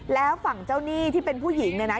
แล้วฝั่งเจ้าหนี้ที่เป็นผู้หญิงเนี่ยนะ